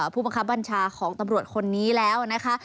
ผู้บังคับบัญชาของตำรวจคนนี้แล้วนะคะ